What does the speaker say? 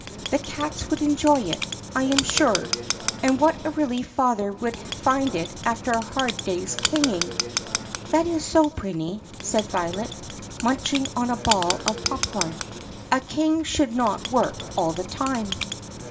The cats would enjoy it, I 'm sure, and what a relief father would find it after a hard day's kinging." "That is so, Prinny," said Violet, munching on a ball of pop corn; "a king should not work all the time."